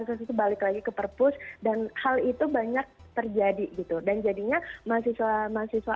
ke situ balik lagi ke perpustakaan dan hal itu banyak terjadi grudang jadinya mahasiswa mahasiswa